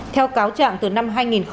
theo cáo trạng từ năm hai nghìn một mươi